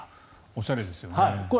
おしゃれですよね。